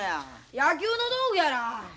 野球の道具やら！